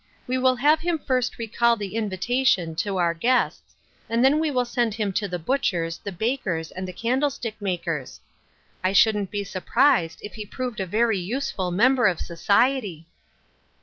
We will have him first recall the invitation to 194 Ruth Erskine^s Crosses, our guests, and then we will send him to the • butcher's, the baker's, and the candlestick maker's.' I shouldn't be surprised if he proved a very useful member of society."